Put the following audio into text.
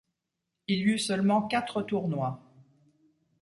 Il y eut seulement quatre tournois.